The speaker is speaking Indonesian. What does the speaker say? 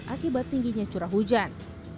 akibat tingginya curah hujan